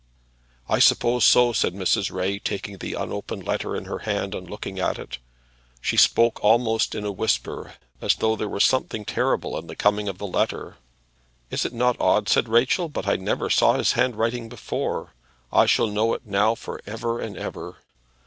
"I suppose so," said Mrs. Ray, taking the unopened letter in her hand and looking at it. She spoke almost in a whisper, as though there were something terrible in the coming of the letter. "Is it not odd," said Rachel, "but I never saw his handwriting before? I shall know it now for ever and ever."